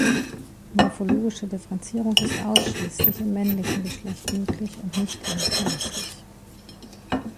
Morphologische Differenzierung ist ausschließlich im männlichen Geschlecht möglich und nicht immer verlässlich.